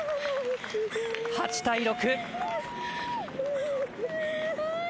８対６。